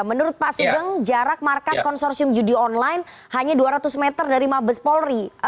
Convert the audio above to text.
menurut pak sugeng jarak markas konsorsium judi online hanya dua ratus meter dari mabes polri